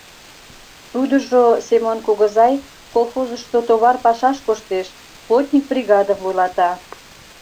Тудыжо, Семон кугызай, колхозышто товар пашаш коштеш, плотник бригадым вуйлата.